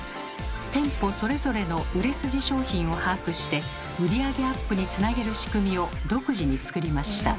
店舗それぞれの売れ筋商品を把握して売り上げアップにつなげる仕組みを独自に作りました。